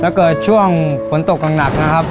เกิดช่วงฝนตกหนักนะครับ